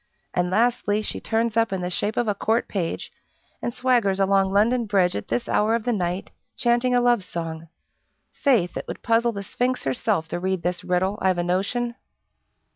And, lastly, she turns up in the shape of a court page, and swaggers along London Bridge at this hour of the night, chanting a love song. Faith! it would puzzle the sphinx herself to read this riddle, I've a notion!"